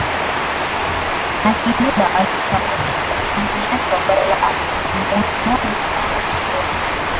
na Kiluba alijitambulisha kwa imani yake kwa bara la Afrika mojaMnamo mwezi wa